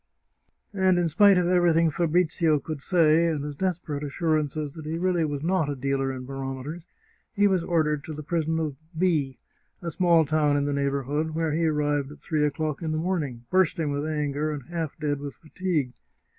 " And in spite of everything Fabrizio could say, and his desperate assurances that he really was not a dealer in barometers, he was ordered to the prison of B , a small town in the neighbourhood, where he arrived at three o'clock in the morning, bursting with anger, and half dead with fatigue.